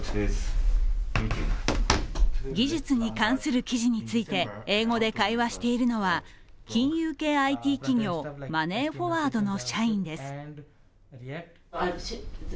技術に関する記事について英語で会話しているのは金融系ＩＴ企業、マネーフォワードの社員です。